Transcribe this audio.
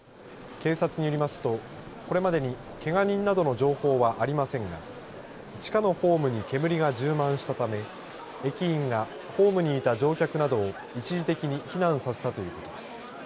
警察によりますと、これまでにけが人などの情報はありませんが、地下のホームに煙が充満したため、駅員がホームにいた乗客などを一時的に避難させたということです。